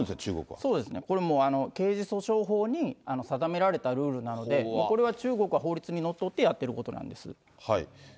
そうですね、もう刑事訴訟法に定められたルールなので、これは中国は法律にのっとってやってることなんです。